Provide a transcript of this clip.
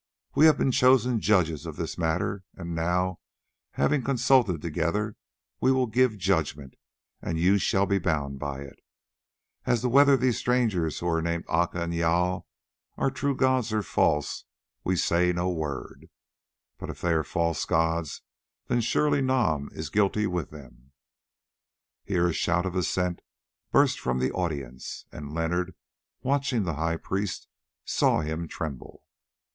We have been chosen judges of this matter, and now, having consulted together, we will give judgment, and you shall be bound by it. As to whether these strangers who are named Aca and Jâl are true gods or false, we say no word. But if they are false gods, then surely Nam is guilty with them." Here a shout of assent burst from the audience, and Leonard watching the high priest saw him tremble.